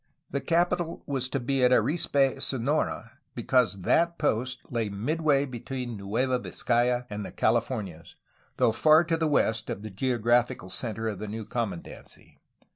The capital was to be at Arispe, Sonora, because that post lay midway between Nueva Vizcaya and the Califor nias, though far to the west of the geographical centre of the new commandancy.